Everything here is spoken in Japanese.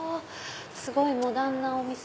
すごいモダンなお店。